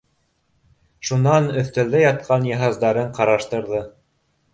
Шунан өҫтәлдә ятҡан йыһаздарын ҡараштырҙы.